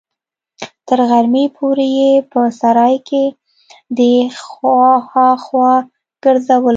تر غرمې پورې يې په سراى کښې دې خوا ها خوا ګرځولم.